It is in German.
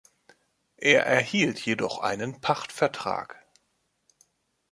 Er erhielt jedoch einen Pachtvertrag.